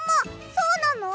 そうなの！？